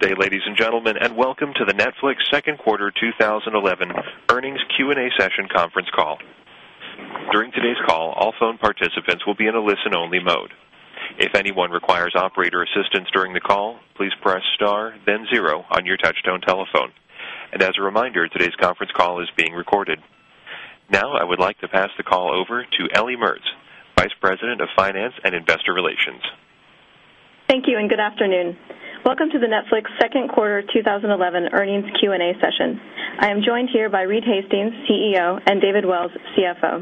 Good day, ladies and gentlemen, and welcome to the Netflix Second Quarter 2011 Earnings Q&A Session Conference Call. During today's call, all phone participants will be in a listen-only mode. If anyone requires operator assistance during the call, please press star, then zero, on your touch-tone telephone. As a reminder, today's conference call is being recorded. Now, I would like to pass the call over to Ellie Mertz, Vice President of Finance and Investor Relations. Thank you, and good afternoon. Welcome to the Netflix Second Quarter 2011 Earnings Q&A Session. I am joined here by Reed Hastings, CEO, and David Wells, CFO.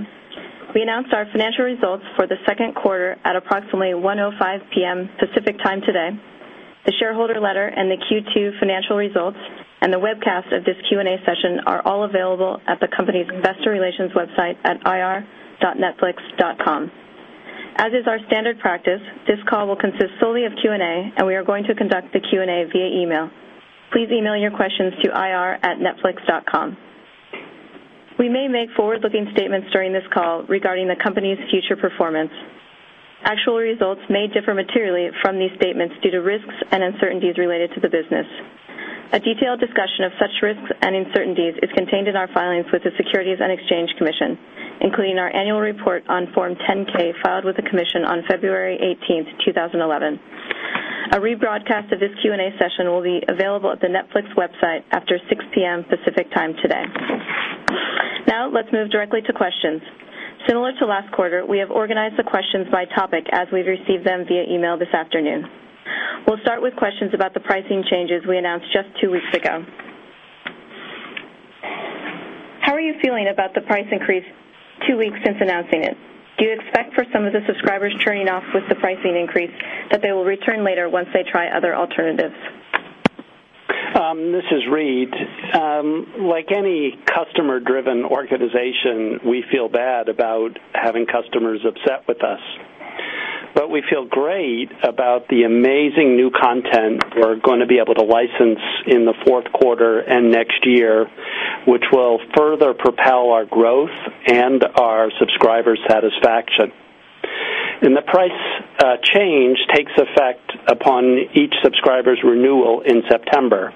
We announce our financial results for the second quarter at approximately 1:05 P.M. Pacific Time today. The shareholder letter and the Q2 financial results and the webcast of this Q&A session are all available at the company's Investor Relations website at ir.netflix.com. As is our standard practice, this call will consist solely of Q&A, and we are going to conduct the Q&A via email. Please email your questions to ir@netflix.com. We may make forward-looking statements during this call regarding the company's future performance. Actual results may differ materially from these statements due to risks and uncertainties related to the business. A detailed discussion of such risks and uncertainties is contained in our filings with the Securities and Exchange Commission, including our Annual Report on Form 10-K filed with the Commission on February 18th, 2011. A rebroadcast of this Q&A session will be available at the Netflix website after 6:00 P.M. Pacific Time today. Now, let's move directly to questions. Similar to last quarter, we have organized the questions by topic as we've received them via email this afternoon. We'll start with questions about the pricing changes we announced just two weeks ago. How are you feeling about the price increase two weeks since announcing it? Do you expect for some of the subscribers turning off with the pricing increase that they will return later once they try other alternatives? This is Reed. Like any customer-driven organization, we feel bad about having customers upset with us. We feel great about the amazing new content we're going to be able to license in the fourth quarter and next year, which will further propel our growth and our subscriber satisfaction. The price change takes effect upon each subscriber's renewal in September,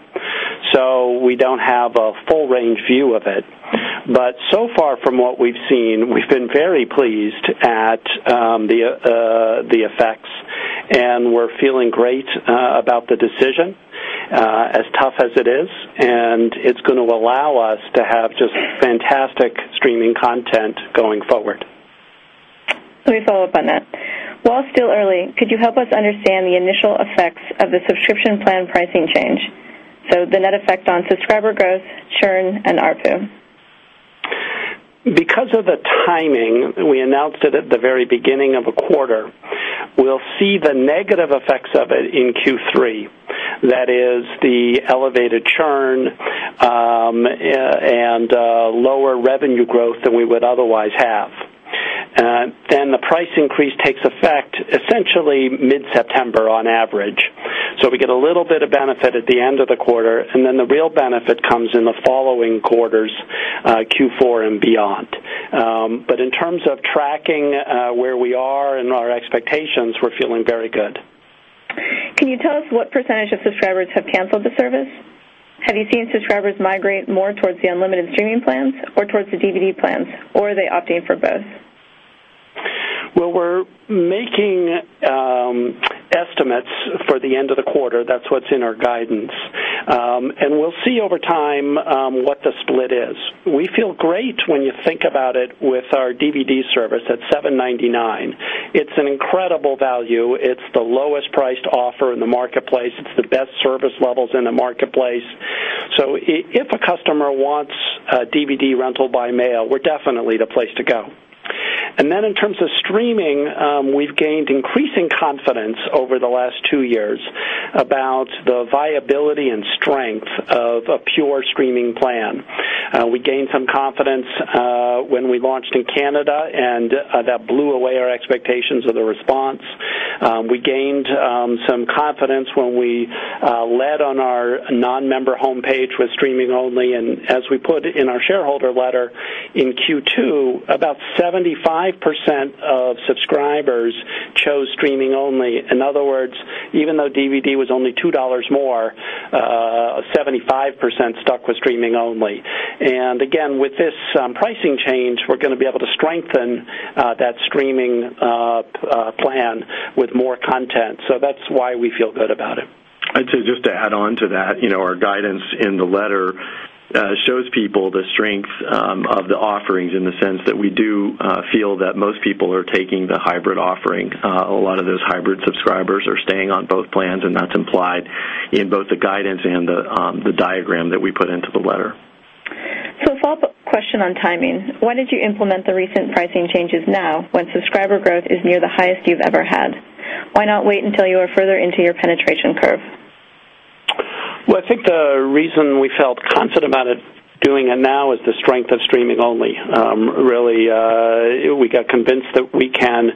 so we don't have a full-range view of it. From what we've seen, we've been very pleased at the effects, and we're feeling great about the decision, as tough as it is, and it's going to allow us to have just fantastic streaming content going forward. Let me follow up on that. While still early, could you help us understand the initial effects of the subscription plan pricing change? The net effect on subscriber growth, churn, and ARPU. Because of the timing, we announced it at the very beginning of a quarter. We'll see the negative effects of it in Q3. That is, the elevated churn and lower revenue growth than we would otherwise have. The price increase takes effect essentially mid-September on average, so we get a little bit of benefit at the end of the quarter, and then the real benefit comes in the following quarters, Q4 and beyond. In terms of tracking where we are and our expectations, we're feeling very good. Can you tell us what percentage of subscribers have canceled the service? Have you seen subscribers migrate more towards the unlimited streaming plans or towards the DVD plans, or are they opting for both? We are making estimates for the end of the quarter. That is what is in our guidance. We will see over time what the split is. We feel great when you think about it with our DVD service at $7.99. It is an incredible value. It is the lowest priced offer in the marketplace. It is the best service levels in the marketplace. If a customer wants a DVD rental by mail, we are definitely the place to go. In terms of streaming, we have gained increasing confidence over the last two years about the viability and strength of a pure streaming plan. We gained some confidence when we launched in Canada, and that blew away our expectations of the response. We gained some confidence when we led on our non-member homepage with streaming only, and as we put in our shareholder letter in Q2, about 75% of subscribers chose streaming only. In other words, even though DVD was only $2 more, 75% stuck with streaming only. With this pricing change, we are going to be able to strengthen that streaming plan with more content. That is why we feel good about it. I'd say just to add on to that, our guidance in the letter shows people the strength of the offerings in the sense that we do feel that most people are taking the hybrid offering. A lot of those hybrid subscribers are staying on both plans, and that's implied in both the guidance and the diagram that we put into the letter. A follow-up question on timing. Why did you implement the recent pricing changes now when subscriber growth is near the highest you've ever had? Why not wait until you are further into your penetration curve? I think the reason we felt confident about doing it now is the strength of streaming-only. Really, we got convinced that we can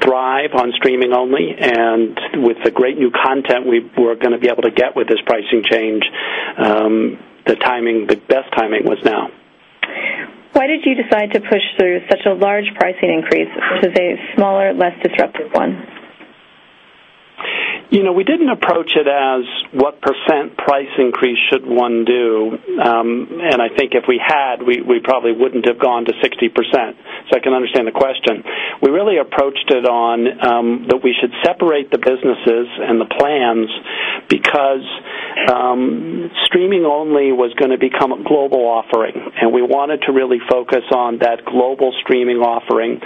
thrive on streaming-only, and with the great new content we were going to be able to get with this pricing change, the best timing was now. Why did you decide to push through such a large pricing increase with a smaller, less disruptive one? You know, we didn't approach it as what percent price increase should one do. I think if we had, we probably wouldn't have gone to 60%. I can understand the question. We really approached it on that we should separate the businesses and the plans because streaming-only was going to become a global offering, and we wanted to really focus on that global streaming offering.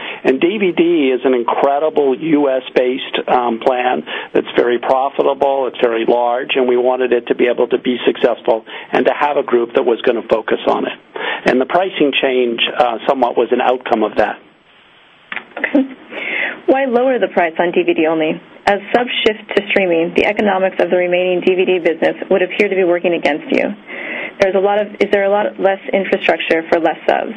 DVD is an incredible U.S.-based plan that's very profitable, it's very large, and we wanted it to be able to be successful and to have a group that was going to focus on it. The pricing change somewhat was an outcome of that. Why lower the price on DVD only? As subs shift to streaming, the economics of the remaining DVD business would appear to be working against you. Is there a lot less infrastructure for less subs?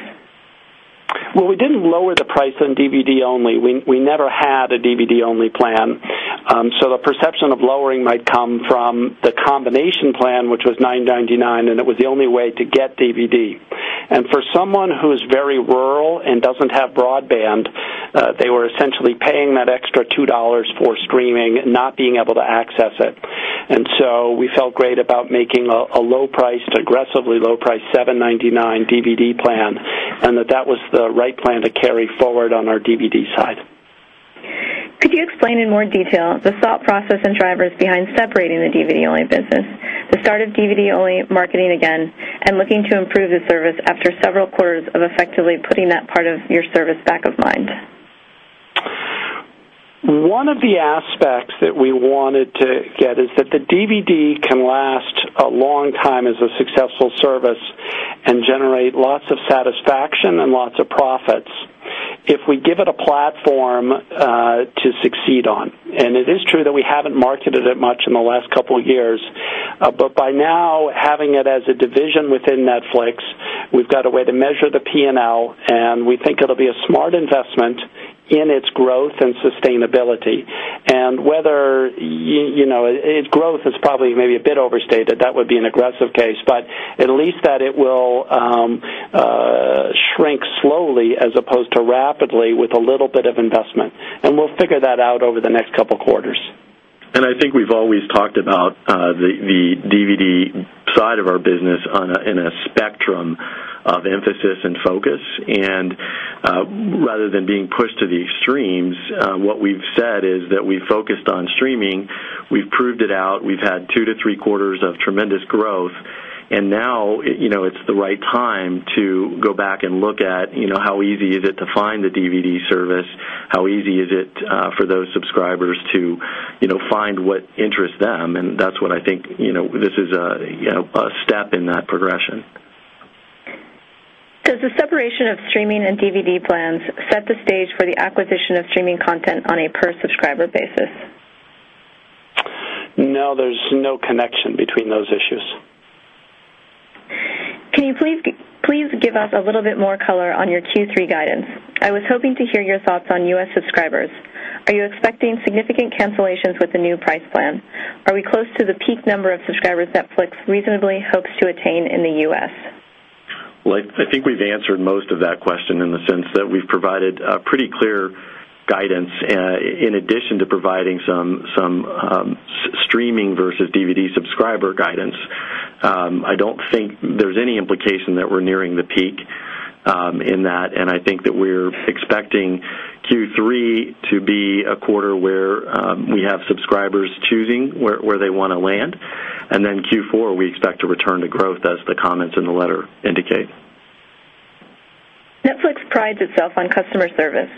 We didn't lower the price on DVD only. We never had a DVD only plan. The perception of lowering might come from the combination plan, which was $9.99, and it was the only way to get DVD. For someone who's very rural and doesn't have broadband, they were essentially paying that extra $2 for streaming and not being able to access it. We felt great about making a low-priced, aggressively low-priced $7.99 DVD plan, and that was the right plan to carry forward on our DVD side. Could you explain in more detail the thought process and drivers behind separating the DVD-only business, the start of DVD-only marketing again, and looking to improve the service after several quarters of effectively putting that part of your service back of mind? One of the aspects that we wanted to get is that the DVD can last a long time as a successful service and generate lots of satisfaction and lots of profits if we give it a platform to succeed on. It is true that we haven't marketed it much in the last couple of years, but by now having it as a division within Netflix, we've got a way to measure the P&L, and we think it'll be a smart investment in its growth and sustainability. Whether its growth is probably maybe a bit overstated, that would be an aggressive case, at least that it will shrink slowly as opposed to rapidly with a little bit of investment. We'll figure that out over the next couple of quarters. We have always talked about the DVD side of our business in a spectrum of emphasis and focus. Rather than being pushed to the extremes, what we've said is that we've focused on streaming, we've proved it out, we've had two to three quarters of tremendous growth, and now it's the right time to go back and look at how easy it is to find the DVD service, how easy it is for those subscribers to find what interests them. That is what I think this is, a step in that progression. Does the separation of streaming and DVD plans set the stage for the acquisition of streaming content on a per-subscriber basis? No, there's no connection between those issues. Can you please give us a little bit more color on your Q3 guidance? I was hoping to hear your thoughts on U.S. subscribers. Are you expecting significant cancellations with the new price plan? Are we close to the peak number of subscribers Netflix reasonably hopes to attain in the U.S.? I think we've answered most of that question in the sense that we've provided pretty clear guidance, in addition to providing some streaming versus DVD subscriber guidance. I don't think there's any implication that we're nearing the peak in that, and I think that we're expecting Q3 to be a quarter where we have subscribers choosing where they want to land, and then Q4 we expect a return to growth as the comments in the letter indicate. Netflix prides itself on customer service.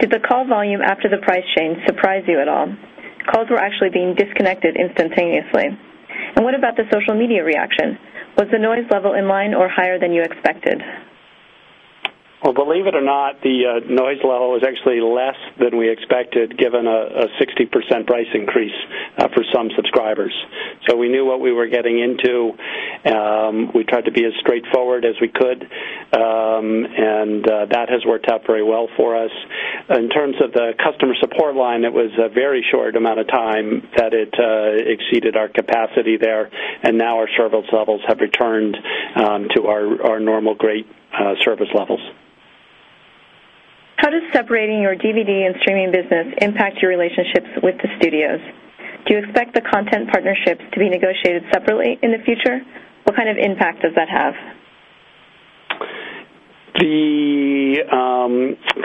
Did the call volume after the price change surprise you at all? Calls were actually being disconnected instantaneously. What about the social media reaction? Was the noise level in line or higher than you expected? Believe it or not, the noise level was actually less than we expected given a 60% price increase for some subscribers. We knew what we were getting into. We tried to be as straightforward as we could, and that has worked out very well for us. In terms of the customer support line, it was a very short amount of time that it exceeded our capacity there, and now our service levels have returned to our normal great service levels. How does separating your DVD and streaming business impact your relationships with the studios? Do you expect the content partnerships to be negotiated separately in the future? What kind of impact does that have? The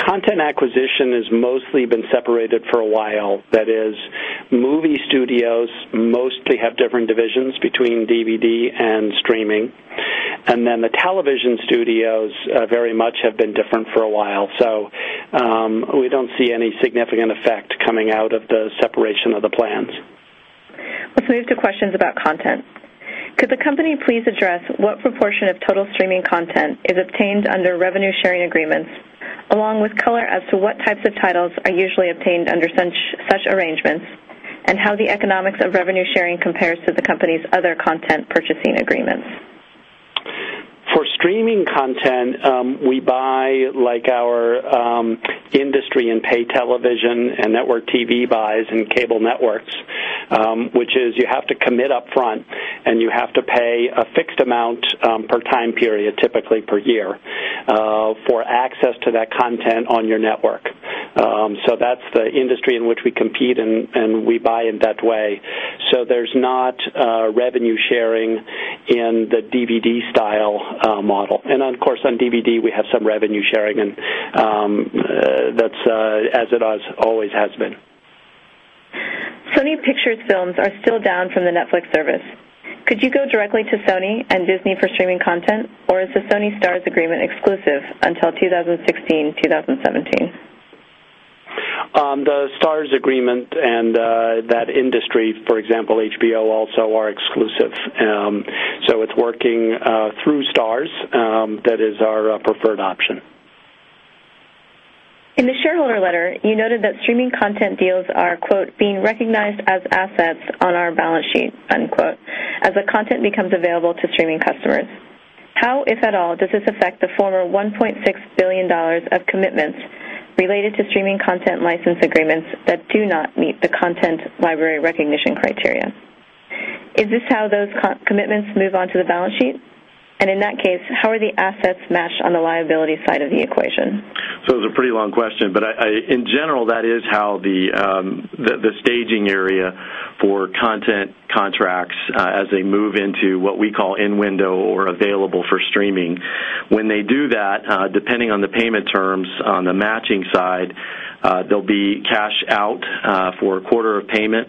content acquisition has mostly been separated for a while. That is, movie studios mostly have different divisions between DVD and streaming, and the television studios very much have been different for a while. We don't see any significant effect coming out of the separation of the plans. Let's move to questions about content. Could the company please address what proportion of total streaming content is obtained under revenue sharing agreements, along with color as to what types of titles are usually obtained under such arrangements, and how the economics of revenue sharing compares to the company's other content purchasing agreements? For streaming content, we buy like our industry and pay television and network TV buys and cable networks, which is you have to commit upfront, and you have to pay a fixed amount per time period, typically per year, for access to that content on your network. That is the industry in which we compete, and we buy in that way. There is not revenue sharing in the DVD style model. Of course, on DVD we have some revenue sharing, and that's as it always has been. Sony Pictures films are still down from the Netflix service. Could you go directly to Sony and Disney for streaming content, or is the Sony Stars agreement exclusive until 2016-2017? The Starz agreement and that industry, for example, HBO Go, also are exclusive. It is working through Starz. That is our preferred option. In the shareholder letter, you noted that streaming content deals are, quote, "being recognized as assets on our balance sheets," as the content becomes available to streaming customers. How, if at all, does this affect the former $1.6 billion of commitments related to streaming content license agreements that do not meet the content library recognition criteria? Is this how those commitments move on to the balance sheet? In that case, how are the assets matched on the liability side of the equation? It is a pretty long question, but in general, that is how the staging area for content contracts works as they move into what we call in window or available for streaming. When they do that, depending on the payment terms on the matching side, there will be cash out for a quarter of payment,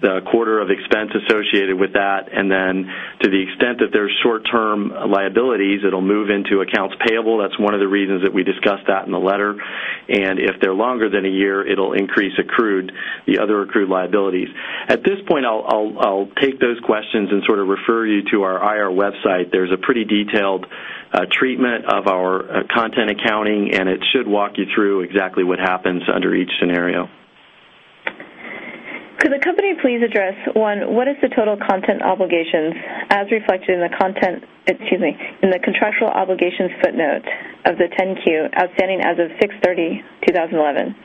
the quarter of expense associated with that, and then to the extent that there are short-term liabilities, it will move into accounts payable. That is one of the reasons that we discussed that in the letter. If they are longer than a year, it will increase the other accrued liabilities. At this point, I will take those questions and refer you to our IR website. There is a pretty detailed treatment of our content accounting, and it should walk you through exactly what happens under each scenario. Could the company please address, one, what is the total content obligations as reflected in the contractual obligations footnote of the 10-Q outstanding as of 6/30/2011?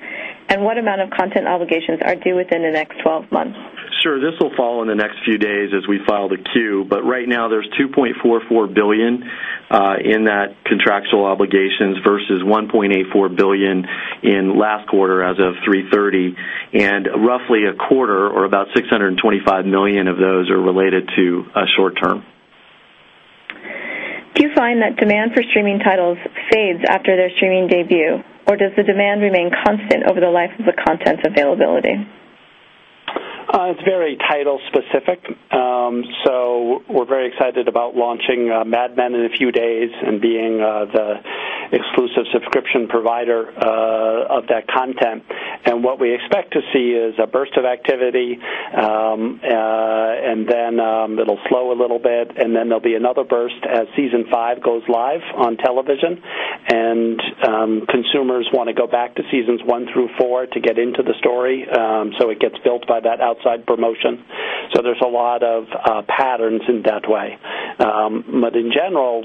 What amount of content obligations are due within the next 12 months? Sure, this will follow in the next few days as we file the Q, but right now there's $2.44 billion in that contractual obligations versus $1.84 billion in last quarter as of 3/30, and roughly a quarter or about $625 million of those are related to short term. Do you find that demand for streaming titles fades after their streaming debut, or does the demand remain constant over the life of the content's availability? It's very title specific. We're very excited about launching Mad Men in a few days and being the exclusive subscription provider of that content. What we expect to see is a burst of activity, then it'll slow a little bit, and there'll be another burst as Season 5 goes live on television. Consumers want to go back to Seasons 1 through 4 to get into the story, so it gets built by that outside promotion. There are a lot of patterns in that way. In general,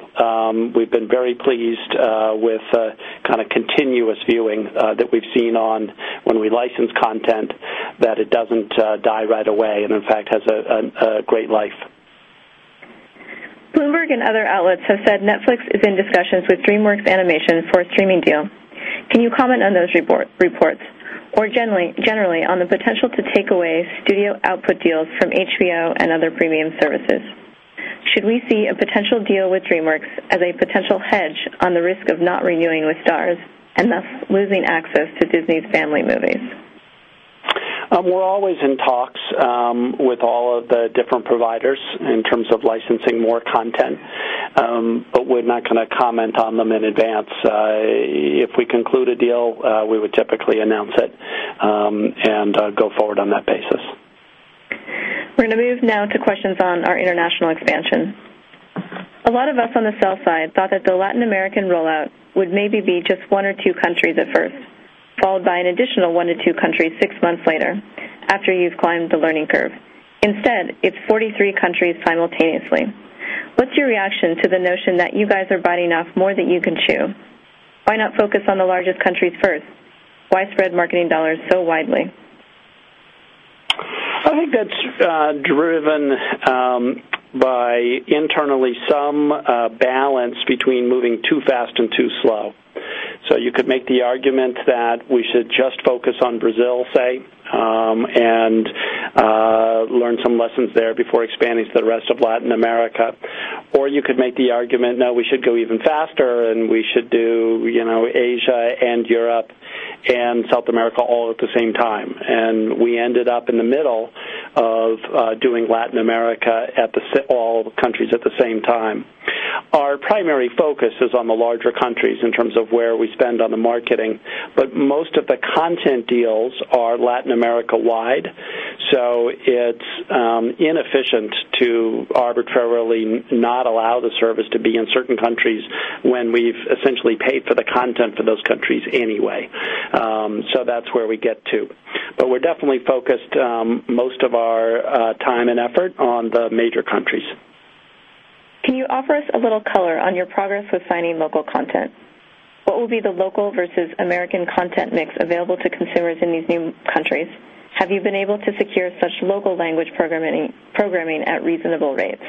we've been very pleased with the kind of continuous viewing that we've seen when we license content, that it doesn't die right away and in fact has a great life. Bloomberg and other outlets have said Netflix is in discussions with DreamWorks Animation for a streaming deal. Can you comment on those reports or generally on the potential to take away studio output deals from HBO and other premium services? Should we see a potential deal with DreamWorks as a potential hedge on the risk of not renewing with Starz and thus losing access to Disney's family movies? We're always in talks with all of the different providers in terms of licensing more content, but we're not going to comment on them in advance. If we conclude a deal, we would typically announce it and go forward on that basis. We're going to move now to questions on our international expansion. A lot of us on the sell side thought that the Latin American rollout would maybe be just one or two countries at first, followed by an additional one to two countries six months later after you've climbed the learning curve. Instead, it's 43 countries simultaneously. What's your reaction to the notion that you guys are biting off more than you can chew? Why not focus on the largest countries first? Why spread marketing dollars so widely? I think that's driven by internally some balance between moving too fast and too slow. You could make the argument that we should just focus on Brazil, say, and learn some lessons there before expanding to the rest of Latin America. You could make the argument, no, we should go even faster, and we should do Asia and Europe and South America all at the same time. We ended up in the middle of doing Latin America at all countries at the same time. Our primary focus is on the larger countries in terms of where we spend on the marketing, but most of the content deals are Latin America-wide. It's inefficient to arbitrarily not allow the service to be in certain countries when we've essentially paid for the content for those countries anyway. That's where we get to. We're definitely focused most of our time and effort on the major countries. Can you offer us a little color on your progress with signing local content? What will be the local versus American content mix available to consumers in these new countries? Have you been able to secure such local language programming at reasonable rates?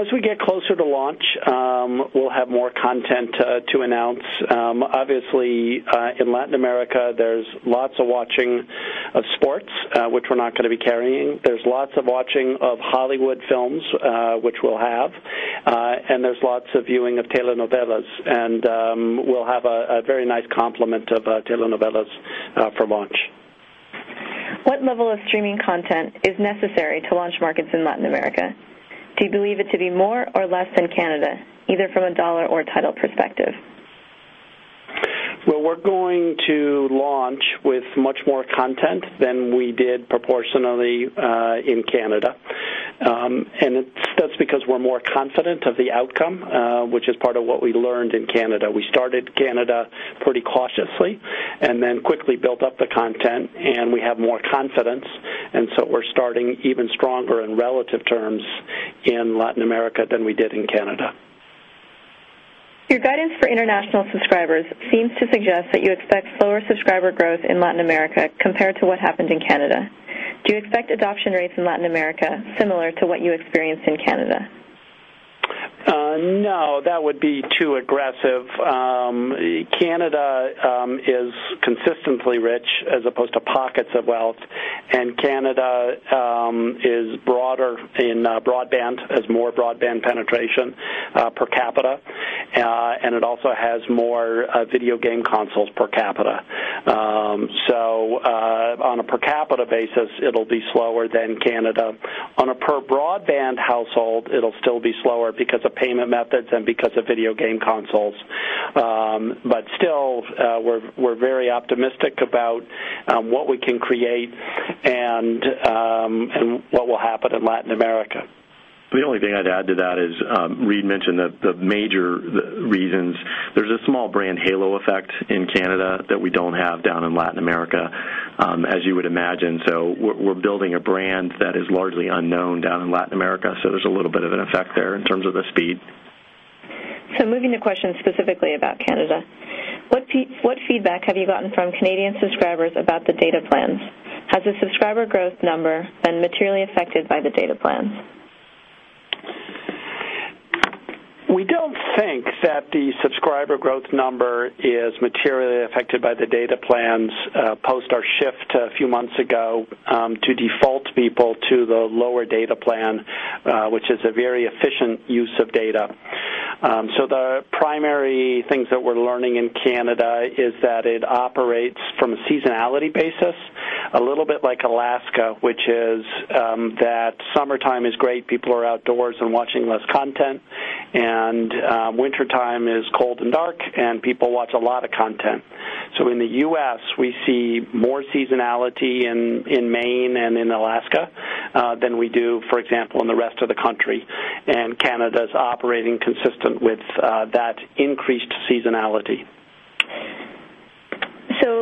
As we get closer to launch, we'll have more content to announce. Obviously, in Latin America, there's lots of watching of sports, which we're not going to be carrying. There's lots of watching of Hollywood films, which we'll have, and there's lots of viewing of telenovelas. We'll have a very nice complement of telenovelas for launch. What level of streaming content is necessary to launch markets in Latin America? Do you believe it to be more or less than Canada, either from a dollar or title perspective? We are going to launch with much more content than we did proportionally in Canada, and that's because we're more confident of the outcome, which is part of what we learned in Canada. We started Canada pretty cautiously and then quickly built up the content, and we have more confidence. We are starting even stronger in relative terms in Latin America than we did in Canada. Your guidance for international subscribers seems to suggest that you expect slower subscriber growth in Latin America compared to what happened in Canada. Do you expect adoption rates in Latin America similar to what you experienced in Canada? No, that would be too aggressive. Canada is consistently rich as opposed to pockets of wealth, and Canada is broader in broadband, has more broadband penetration per capita, and it also has more video game consoles per capita. On a per capita basis, it'll be slower than Canada. On a per broadband household, it'll still be slower because of payment methods and because of video game consoles. We are very optimistic about what we can create and what will happen in Latin America. The only thing I'd add to that is Reed mentioned the major reasons. There's a small brand halo effect in Canada that we don't have down in Latin America, as you would imagine. We're building a brand that is largely unknown down in Latin America, so there's a little bit of an effect there in terms of the speed. Moving to questions specifically about Canada. What feedback have you gotten from Canadian subscribers about the data plans? Has the subscriber growth number been materially affected by the data plans? We don't think that the subscriber growth number is materially affected by the data plans post our shift a few months ago to default people to the lower data plan, which is a very efficient use of data. The primary things that we're learning in Canada is that it operates from a seasonality basis, a little bit like Alaska, which is that summertime is great, people are outdoors and watching less content, and wintertime is cold and dark, and people watch a lot of content. In the U.S., we see more seasonality in Maine and in Alaska than we do, for example, in the rest of the country. Canada's operating consistent with that increased seasonality.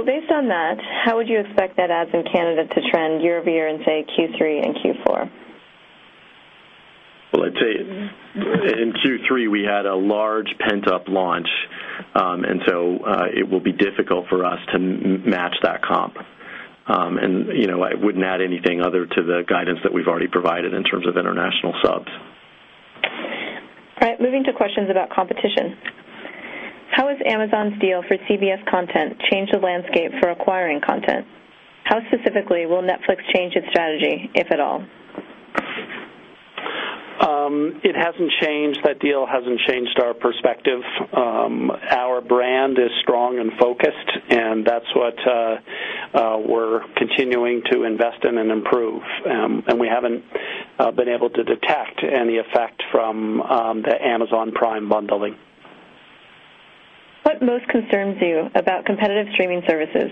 Based on that, how would you expect that ads in Canada to trend year-over-year in, say, Q3 and Q4? In Q3 we had a large pent-up launch, and it will be difficult for us to match that comp. I wouldn't add anything other to the guidance that we've already provided in terms of international subs. All right, moving to questions about competition. How has Amazon's deal for CBS content changed the landscape for acquiring content? How specifically will Netflix change its strategy, if at all? It hasn't changed. That deal hasn't changed our perspective. Our brand is strong and focused, and that's what we're continuing to invest in and improve. We haven't been able to detect any effect from the Amazon Prime bundling. What most concerns you about competitive streaming services?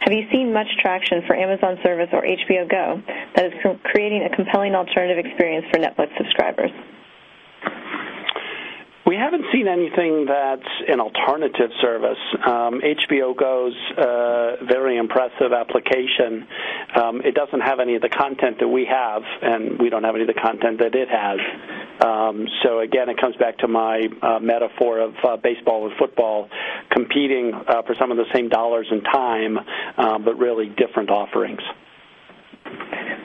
Have you seen much traction for Amazon service or HBO Go that is creating a compelling alternative experience for Netflix subscribers? We haven't seen anything that's an alternative service. HBO Go's very impressive application, it doesn't have any of the content that we have, and we don't have any of the content that it has. It comes back to my metaphor of baseball and football competing for some of the same dollars and time, but really different offerings.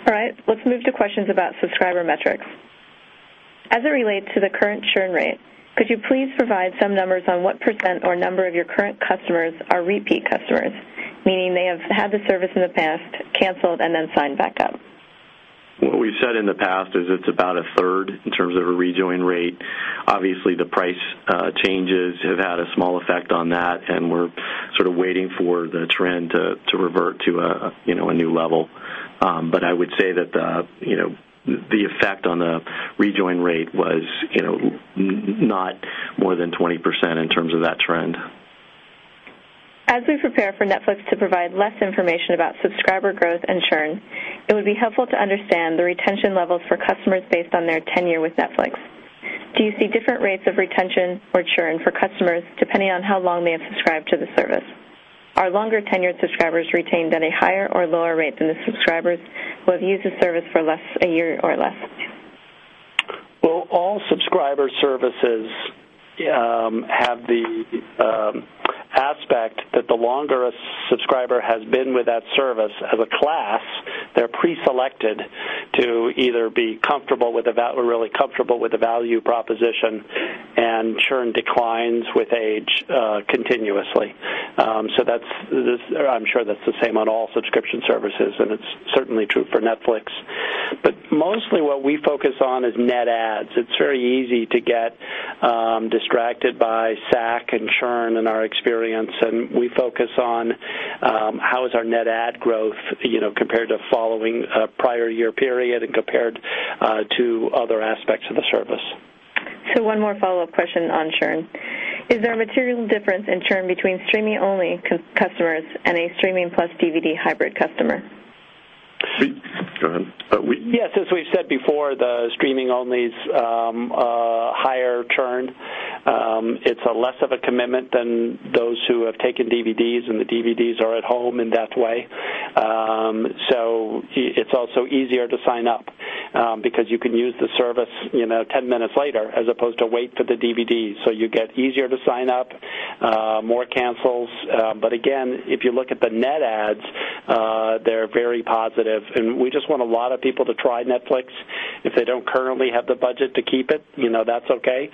All right, let's move to questions about subscriber metrics. As it relates to the current churn rate, could you please provide some numbers on what percent or number of your current customers are repeat customers, meaning they have had the service in the past, canceled, and then signed back up? What we've said in the past is it's about a third in terms of a rejoin rate. Obviously, the price changes have had a small effect on that, and we're sort of waiting for the trend to revert to a new level. I would say that the effect on the rejoin rate was not more than 20% in terms of that trend. As we prepare for Netflix to provide less information about subscriber growth and churn, it would be helpful to understand the retention levels for customers based on their tenure with Netflix. Do you see different rates of retention or churn for customers depending on how long they have subscribed to the service? Are longer tenured subscribers retained at a higher or lower rate than the subscribers who have used the service for a year or less? All subscriber services have the aspect that the longer a subscriber has been with that service as a class, they're pre-selected to either be comfortable with a value proposition, and churn declines with age continuously. I'm sure that's the same on all subscription services, and it's certainly true for Netflix. Mostly what we focus on is net ads. It's very easy to get distracted by SAC and churn in our experience, and we focus on how is our net ad growth compared to following a prior year period and compared to other aspects of the service. Is there a material difference in churn between streaming-only customers and a streaming plus DVD hybrid customer? Yes, as we've said before, the streaming-onlys have a higher churn. It's less of a commitment than those who have taken DVDs, and the DVDs are at home in that way. It is also easier to sign up because you can use the service 10 minutes later as opposed to waiting for the DVD. You get easier to sign up, more cancels. If you look at the net ads, they're very positive. We just want a lot of people to try Netflix. If they don't currently have the budget to keep it, that's okay.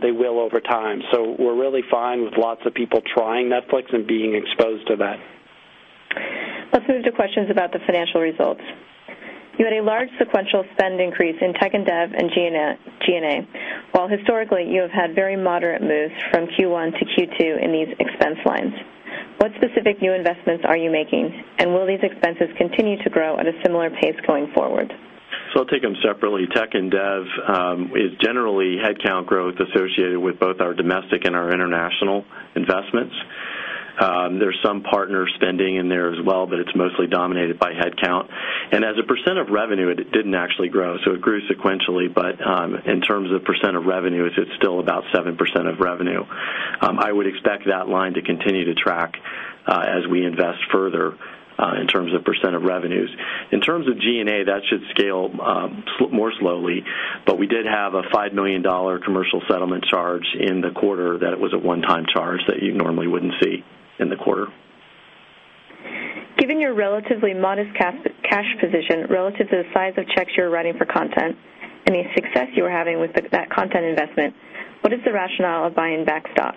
They will over time. We're really fine with lots of people trying Netflix and being exposed to that. Let's move to questions about the financial results. You had a large sequential spend increase in tech and dev and G&A, while historically you have had very moderate moves from Q1 to Q2 in these expense lines. What specific new investments are you making, and will these expenses continue to grow at a similar pace going forward? I'll take them separately. Tech and dev is generally headcount growth associated with both our domestic and our international investments. There's some partner spending in there as well, but it's mostly dominated by headcount. As a percent of revenue, it didn't actually grow, it grew sequentially. In terms of percent of revenues, it's still about 7% of revenue. I would expect that line to continue to track as we invest further in terms of percent of revenues. In terms of G&A, that should scale more slowly, but we did have a $5 million commercial settlement charge in the quarter. It was a one-time charge that you normally wouldn't see in the quarter. Given your relatively modest cash position relative to the size of checks you're writing for content and the success you were having with that content investment, what is the rationale of buying back stock?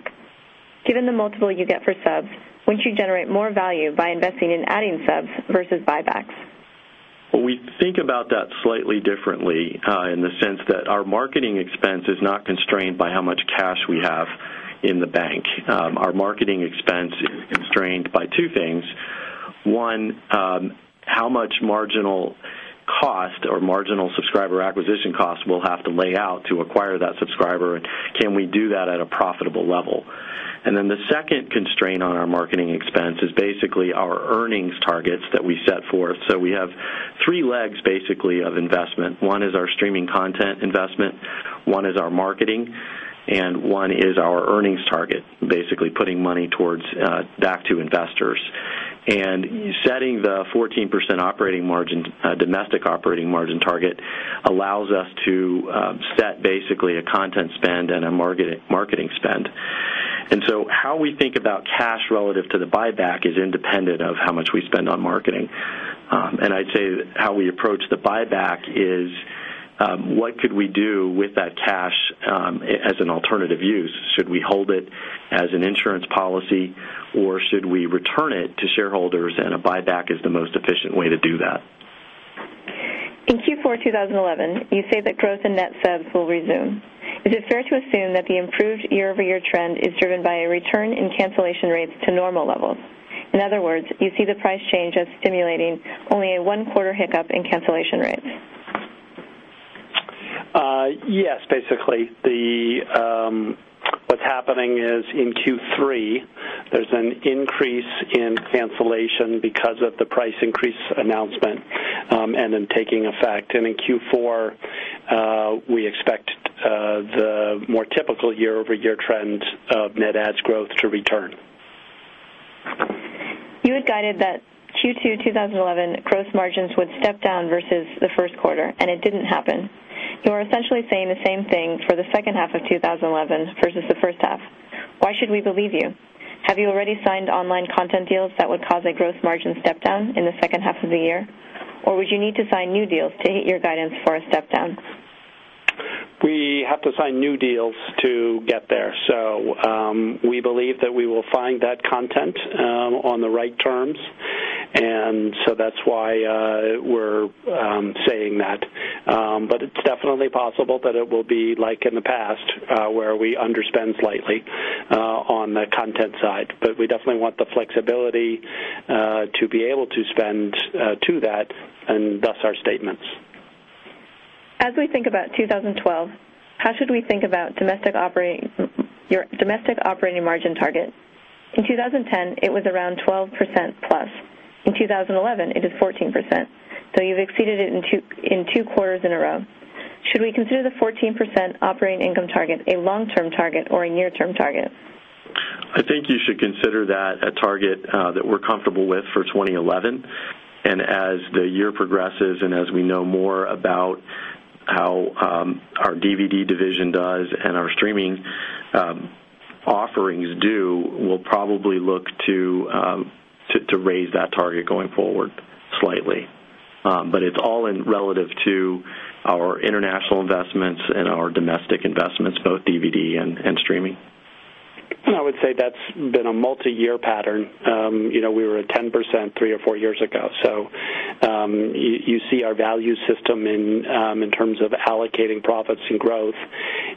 Given the multiple you get for subs, wouldn't you generate more value by investing in adding subs versus buybacks? We think about that slightly differently in the sense that our marketing expense is not constrained by how much cash we have in the bank. Our marketing expense is constrained by two things. One, how much marginal cost or marginal subscriber acquisition cost we'll have to lay out to acquire that subscriber, and can we do that at a profitable level? The second constraint on our marketing expense is basically our earnings targets that we set forth. We have three legs basically of investment. One is our streaming content investment, one is our marketing, and one is our earnings target, basically putting money towards back to investors. Setting the 14% operating margin, domestic operating margin target, allows us to set basically a content spend and a marketing spend. How we think about cash relative to the buyback is independent of how much we spend on marketing. I'd say how we approach the buyback is what could we do with that cash as an alternative use? Should we hold it as an insurance policy, or should we return it to shareholders? A buyback is the most efficient way to do that. In Q4 2011, you say that growth in net subs will resume. Is it fair to assume that the improved year-over-year trend is driven by a return in cancellation rates to normal levels? In other words, you see the price change as stimulating only a one-quarter hiccup in cancellation rates. Yes, basically. What's happening is in Q3, there's an increase in cancellation because of the price increase announcement and in taking effect. In Q4, we expect the more typical year-over-year trend of net ads growth to return. You had guided that Q2 2011 gross margins would step down versus the first quarter, and it didn't happen. You are essentially saying the same thing for the second half of 2011 versus the first half. Why should we believe you? Have you already signed online content deals that would cause a gross margin step down in the second half of the year, or would you need to sign new deals to hit your guidance for a step down? We have to sign new deals to get there. We believe that we will find that content on the right terms, and that's why we're saying that. It is definitely possible that it will be like in the past where we underspend slightly on the content side. We definitely want the flexibility to be able to spend to that and thus our statements. As we think about 2012, how should we think about your domestic operating margin target? In 2010, it was around 12%+. In 2011, it is 14%. You have exceeded it in two quarters in a row. Should we consider the 14% operating income target a long-term target or a near-term target? I think you should consider that a target that we're comfortable with for 2011. As the year progresses and as we know more about how our DVD division does and our streaming offerings do, we'll probably look to raise that target going forward slightly. It's all relative to our international investments and our domestic investments, both DVD and streaming. I would say that's been a multi-year pattern. We were at 10% three or four years ago. You see our value system in terms of allocating profits and growth,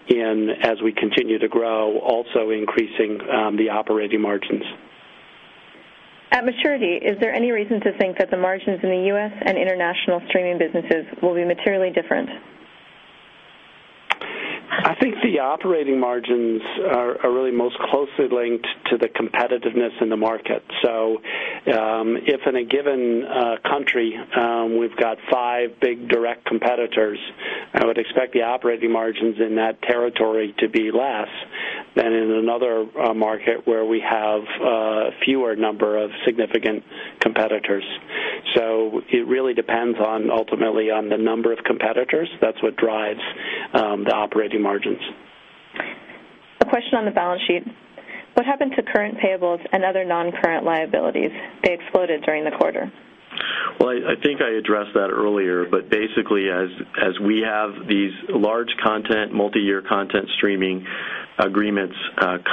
and as we continue to grow, also increasing the operating margins. At maturity, is there any reason to think that the margins in the U.S. and international streaming businesses will be materially different? I think the operating margins are really most closely linked to the competitiveness in the market. If in a given country we've got five big direct competitors, I would expect the operating margins in that territory to be less than in another market where we have a fewer number of significant competitors. It really depends ultimately on the number of competitors. That's what drives the operating margins. Question on the balance sheet. What happened to current payables and other non-current liabilities? They exploded during the quarter. I think I addressed that earlier, but basically as we have these large, multi-year content streaming agreements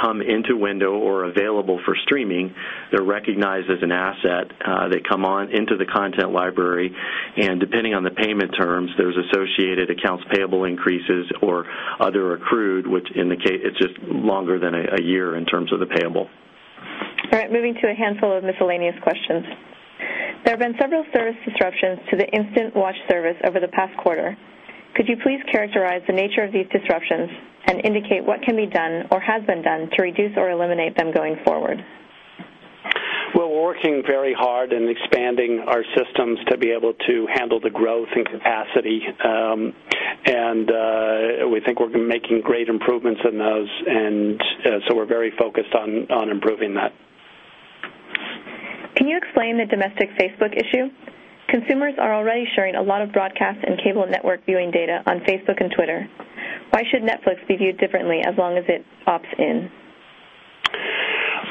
come into window or available for streaming, they're recognized as an asset. They come on into the content library, and depending on the payment terms, there's associated accounts payable increases or other accrued, which in the case it's just longer than a year in terms of the payable. All right, moving to a handful of miscellaneous questions. There have been several service disruptions to the instant-watch service over the past quarter. Could you please characterize the nature of these disruptions and indicate what can be done or has been done to reduce or eliminate them going forward? We are working very hard and expanding our systems to be able to handle the growth and capacity, and we think we are making great improvements in those, and we are very focused on improving that. Can you explain the domestic Facebook issue? Consumers are already sharing a lot of broadcast and cable network viewing data on Facebook and Twitter. Why should Netflix be viewed differently as long as it opts in?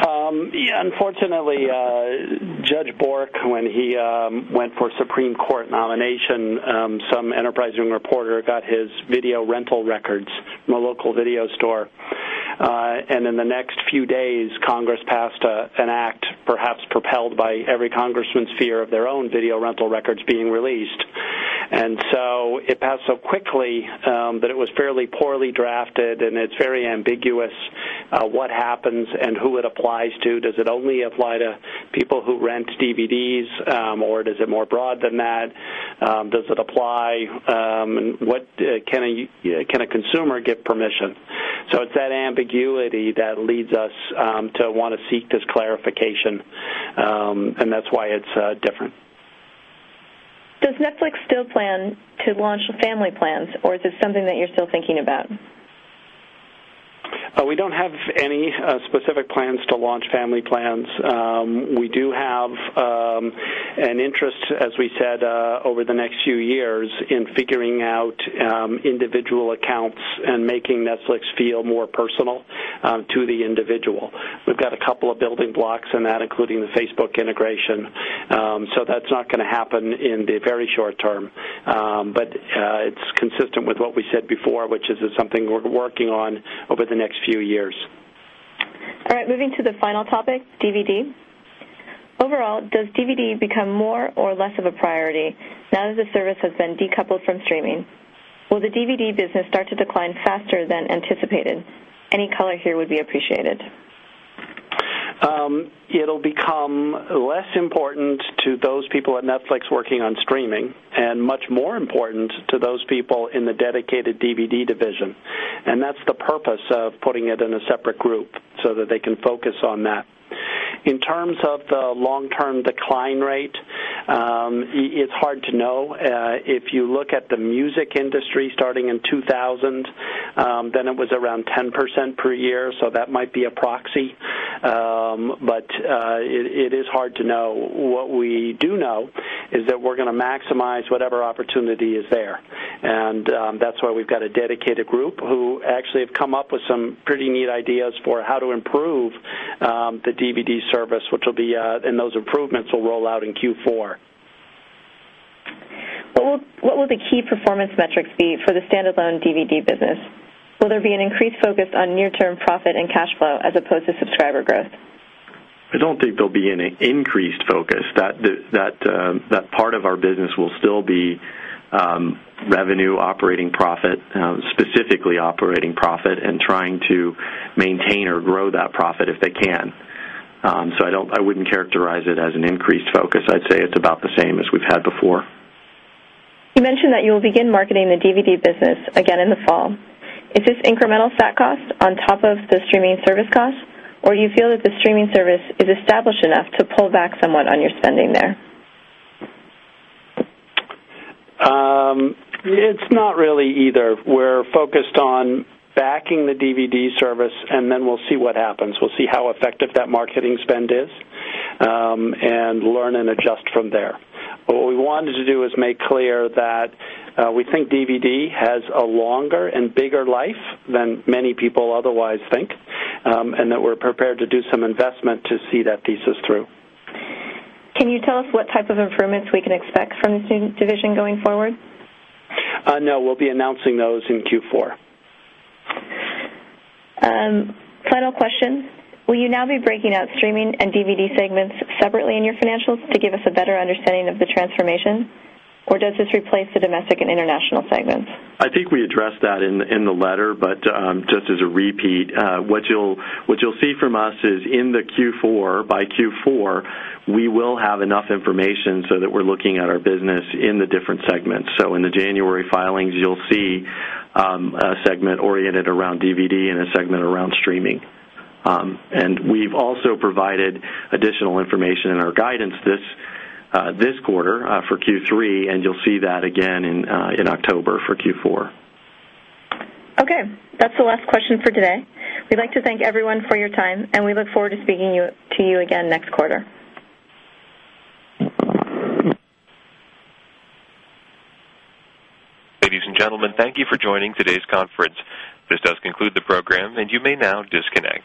Unfortunately, Judge Bork, when he went for Supreme Court nomination, some enterprising reporter got his video rental records from a local video store. In the next few days, Congress passed an Act, perhaps propelled by every Congressman's fear of their own video rental records being released. It passed so quickly that it was fairly poorly drafted, and it's very ambiguous what happens and who it applies to. Does it only apply to people who rent DVDs, or is it more broad than that? Does it apply? Can a consumer get permission? It's that ambiguity that leads us to want to seek this clarification, and that's why it's different. Does Netflix still plan to launch the family plans, or is this something that you're still thinking about? We don't have any specific plans to launch family plans. We do have an interest, as we said, over the next few years in figuring out individual accounts and making Netflix feel more personal to the individual. We've got a couple of building blocks in that, including the Facebook integration. That is not going to happen in the very short term, but it's consistent with what we said before, which is something we're working on over the next few years. All right, moving to the final topic, DVD. Overall, does DVD become more or less of a priority now that the service has been decoupled from streaming? Will the DVD business start to decline faster than anticipated? Any color here would be appreciated. It'll become less important to those people at Netflix working on streaming and much more important to those people in the dedicated DVD division. That's the purpose of putting it in a separate group so that they can focus on that. In terms of the long-term decline rate, it's hard to know. If you look at the music industry starting in 2000, then it was around 10% per year, so that might be a proxy. It is hard to know. What we do know is that we're going to maximize whatever opportunity is there. That's why we've got a dedicated group who actually have come up with some pretty neat ideas for how to improve the DVD service, which will be, and those improvements will roll out in Q4. What will the key performance metrics be for the standalone DVD business? Will there be an increased focus on near-term profit and cash flow as opposed to subscriber growth? I don't think there'll be an increased focus. That part of our business will still be revenue, operating profit, specifically operating profit, and trying to maintain or grow that profit if they can. I wouldn't characterize it as an increased focus. I'd say it's about the same as we've had before. You mentioned that you'll begin marketing the DVD business again in the fall. Is this incremental set cost on top of the streaming service cost, or do you feel that the streaming service is established enough to pull back somewhat on your spending there? It's not really either. We're focused on backing the DVD service, and then we'll see what happens. We'll see how effective that marketing spend is and learn and adjust from there. What we wanted to do is make clear that we think DVD has a longer and bigger life than many people otherwise think, and that we're prepared to do some investment to see that thesis through. Can you tell us what type of improvements we can expect from the streaming division going forward? No, we'll be announcing those in Q4. Final question. Will you now be breaking out streaming and DVD segments separately in your financials to give us a better understanding of the transformation, or does this replace the domestic and international segments? I think we addressed that in the letter, but just as a repeat, what you'll see from us is in Q4, by Q4, we will have enough information so that we're looking at our business in the different segments. In the January filings, you'll see a segment oriented around DVD and a segment around streaming. We've also provided additional information in our guidance this quarter for Q3, and you'll see that again in October for Q4. Okay, that's the last question for today. We'd like to thank everyone for your time, and we look forward to speaking to you again next quarter. Ladies and gentlemen, thank you for joining today's conference. This does conclude the program, and you may now disconnect.